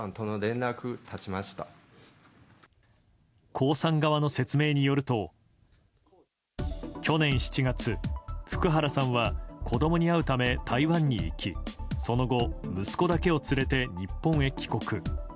江さん側の説明によると去年７月、福原さんは子供に会うため台湾に行きその後、息子だけを連れて日本へ帰国。